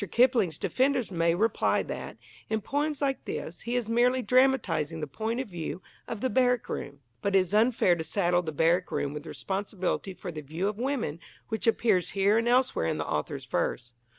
Kipling's defenders may reply that, in poems like this, he is merely dramatizing the point of view of the barrack room. But it is unfair to saddle the barrack room with responsibility for the view of women which appears here and elsewhere in the author's verse.